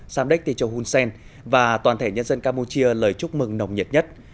samdech techo hunsen và toàn thể nhân dân campuchia lời chúc mừng nồng nhiệt nhất